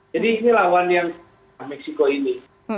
jadi ini lawan yang meksiko ini